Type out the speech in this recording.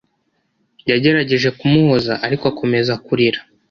Yagerageje kumuhoza, ariko akomeza kurira.